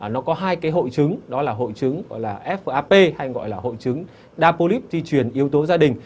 nó có hai hội chứng đó là hội chứng fap hay gọi là hội chứng đa polyp di truyền yếu tố gia đình